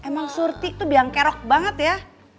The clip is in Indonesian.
emang surti tuh biangkerok banget ya